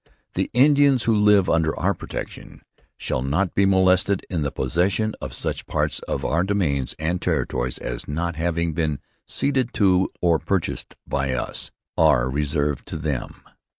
'The Indians who live under our Protection should not be molested in the possession of such parts of our Dominions and Territories as, not having been ceded to or purchased by Us, are reserved to them.'